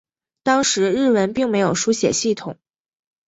当时日文并没有书写系统。